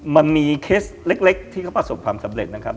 มันมีเคสเล็กที่เขาประสบความสำเร็จนะครับ